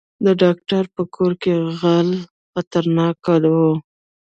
د ډاکټر په کور کې غلا خطرناکه وه.